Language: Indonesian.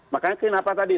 makanya kenapa tadi